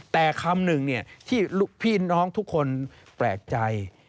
แต่คำหนึ่งที่พี่น้องทุกคนแปลกใจ